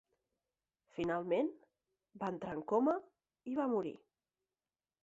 Finalment, va entrar en coma i va morir.